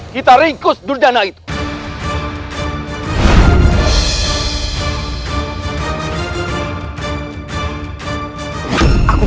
kita ringkus durdana itu